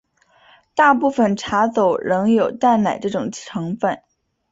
大部份茶走仍有淡奶这种成份。